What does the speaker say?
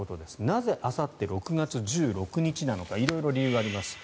なぜ、あさって６月１６日なのか色々理由があります。